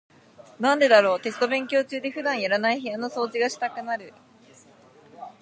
なんでだろう、テスト勉強中って普段やらない部屋の掃除がしたくなる。